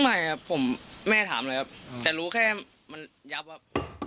ไม่ครับผมแม่ถามเลยครับแต่รู้แค่มันยับครับ